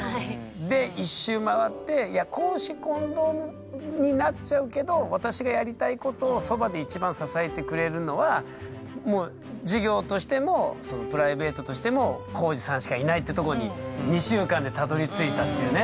で一周回っていや公私混同になっちゃうけど私がやりたいことをそばで一番支えてくれるのはもう事業としてもプライベートとしても皓史さんしかいないってとこに２週間でたどりついたっていうね。